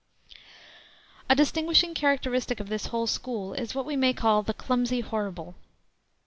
A distinguishing characteristic of this whole school is what we may call the clumsy horrible.